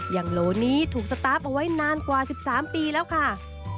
โลนี้ถูกสตาร์ฟเอาไว้นานกว่า๑๓ปีแล้วค่ะ